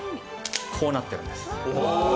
こうなってるんです。